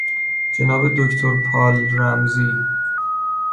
جناب دکتر پال رمزی